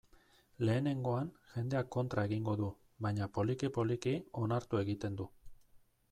Lehenengoan, jendeak kontra egingo du, baina, poliki-poliki, onartu egiten du.